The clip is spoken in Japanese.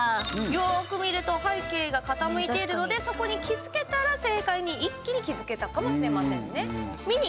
よく見ると背景が傾いているのでそこに気付けたら、正解に一気に気付けたかもしれません。